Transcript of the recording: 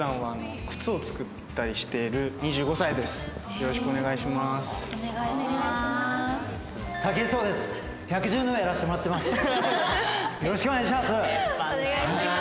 よろしくお願いします！